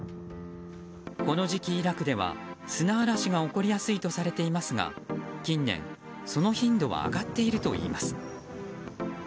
この時期、イラクでは、砂嵐が起こりやすいとされていますが近年、その頻度は上がってるといいます。